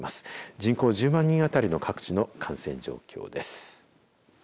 人口１０万人あたりの各地の感染状況です。